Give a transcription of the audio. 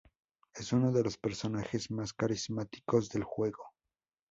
Es uno de los personajes más carismáticos del juego.